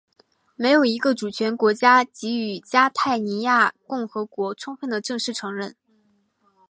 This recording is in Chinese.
没有一个主权国家给予加泰罗尼亚共和国充分的正式承认。